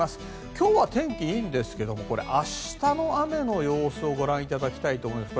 今日は天気いいんですが明日の雨の様子をご覧いただきたいと思います。